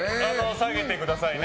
下げてくださいね。